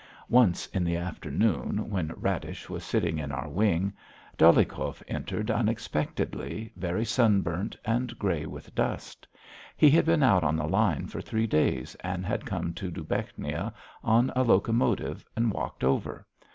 Once in the afternoon when Radish was sitting in our wing, Dolyhikov entered unexpectedly, very sunburnt, and grey with dust. He had been out on the line for three days and had come to Dubechnia on a locomotive and walked over.